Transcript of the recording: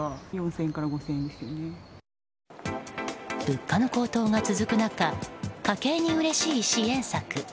物価の高騰が続く中家計にうれしい支援策。